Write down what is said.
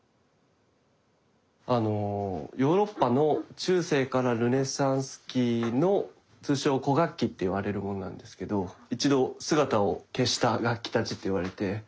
ヨーロッパの中世からルネサンス期の通称「古楽器」って言われるものなんですけど一度姿を消した楽器たちと言われて。